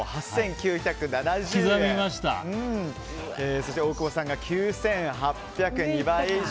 そして大久保さんが９８００円、２倍以上。